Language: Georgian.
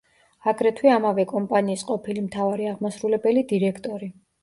აგრეთვე ამავე კომპანიის ყოფილი მთავარი აღმასრულებელი დირექტორი.